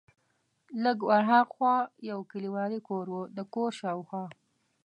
لږ ور ها خوا یو کلیوالي کور و، د کور شاوخوا.